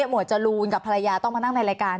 วดจรูนกับภรรยาต้องมานั่งในรายการ